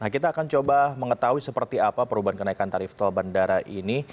kita akan coba mengetahui seperti apa perubahan kenaikan tarif tol bandara ini